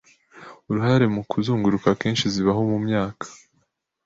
uruhare mukuzunguruka akenshi zibaho mumyaka